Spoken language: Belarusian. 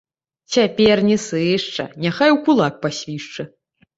Цяпер не сышча, няхай у кулак пасвішча.